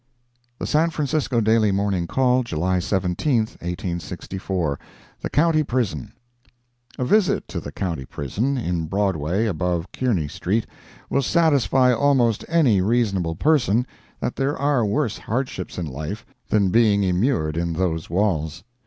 The San Francisco Daily Morning Call, July 17, 1864 THE COUNTY PRISON A visit to the County Prison, in Broadway above Kearny street, will satisfy almost any reasonable person that there are worse hardships in life than being immured in those walls.